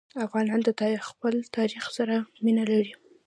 افغانان د خپل تاریخ سره مینه لري.